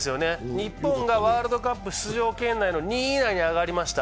日本がワールドカップ出場圏内の２位以内に上がりました。